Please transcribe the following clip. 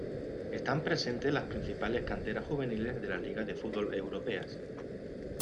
Están presentes las principales canteras juveniles de las ligas de fútbol europeas.